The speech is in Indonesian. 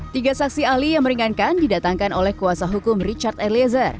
tiga saksi ahli yang meringankan didatangkan oleh kuasa hukum richard eliezer